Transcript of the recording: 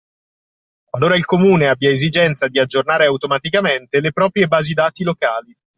Qualora il Comune abbia esigenza di aggiornare automaticamente le proprie basi dati locali